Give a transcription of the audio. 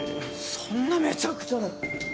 そんなめちゃくちゃな。